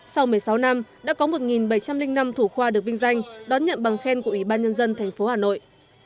sau một mươi sáu năm đã có một bảy trăm linh năm thủ khoa được vinh danh đón nhận bằng khen của ủy ban nhân dân tp hà nội